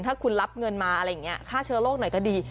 ถ้าคุณรับเงินมาอะไรอย่างนี้ฆ่าเชื้อโรคหน่อยก็ดี